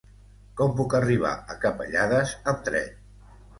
Com puc arribar a Capellades amb tren?